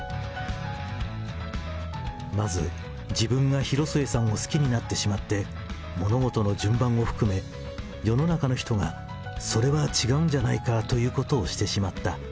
まず、自分が広末さんを好きになってしまって、物事の順番も含め、世の中の人がそれは違うんじゃないかということをしてしまった。